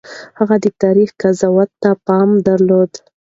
هغه د تاريخ قضاوت ته پام درلود.